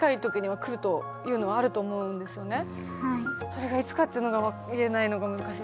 それがいつかっていうのが言えないのが難しい。